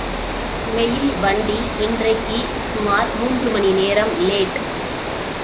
Mail வண்டி இன்றைக்கு சுமார் மூன்று மணி நேரம் லேட்.